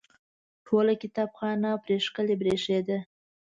ټوله کتابخانه پرې ښکلې برېښېده.